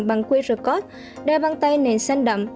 bằng qr code đeo bàn tay nền xanh đậm